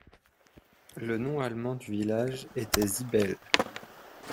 Le nom allemand du village était Zibelle.